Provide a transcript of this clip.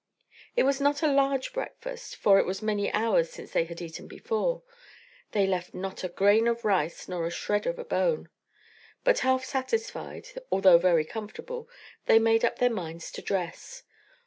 It was not a large breakfast, for it was many hours since they had eaten before; they left not a grain of rice nor a shred on a bone. But half satisfied, although very comfortable, they made up their minds to dress.